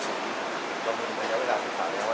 ก็มึงเรามายาวดาภิกาแล้ว